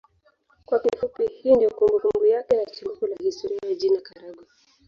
Kwa kifupi hii ndio kumbukumbu yake na chimbuko la historia ya jina Karagwe